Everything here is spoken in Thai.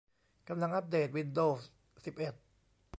กำลังอัปเดตวินโดวส์สิบเอ็ด